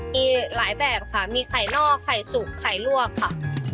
มีหลายแบบค่ะมีไข่นอกไข่สุกไข่ลวกค่ะ